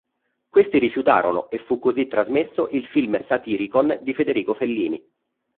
Questi rifiutarono, e fu così trasmesso il film "Satyricon" di Federico Fellini.